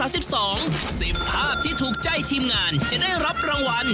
สิบสองสิบภาพที่ถูกใจทีมงานจะได้รับรางวัล